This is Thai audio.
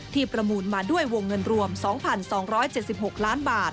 ประมูลมาด้วยวงเงินรวม๒๒๗๖ล้านบาท